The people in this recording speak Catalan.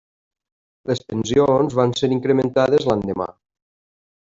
Les pensions van ser incrementades l'endemà.